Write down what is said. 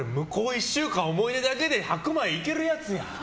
１週間思い出だけで白米いけるやつや！